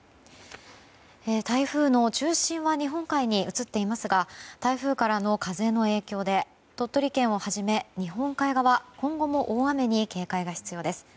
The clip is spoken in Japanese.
台風の中心は日本海に移っていますが台風からの風の影響で鳥取県をはじめ日本海側は今後も大雨に警戒が必要です。